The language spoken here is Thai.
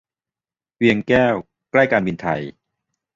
เวียงแก้ว ใกล้การบินไทย